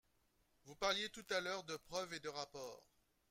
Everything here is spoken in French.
Vous parliez tout à l’heure de preuves et de rapports.